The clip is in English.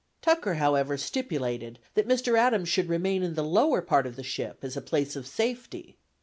Tucker, however, stipulated that Mr. Adams should remain in the lower part of the ship, as a place of safety.